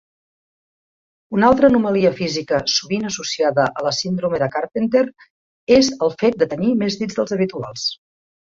Una altra anomalia física sovint associada a la síndrome de Carpenter és el fet de tenir més dits dels habituals.